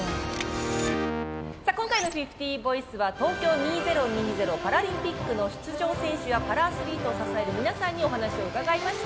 さあ今回の「５０ボイス」は東京２０２０パラリンピックの出場選手やパラアスリートを支える皆さんにお話を伺いました！